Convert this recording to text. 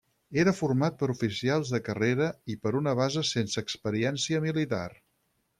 Era format per oficials de carrera i per una base sense experiència militar.